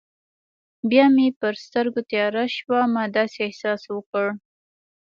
بیا مې پر سترګو تیاره شوه، ما داسې احساس وکړل.